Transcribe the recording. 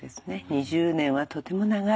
２０年はとても長い。